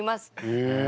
へえ。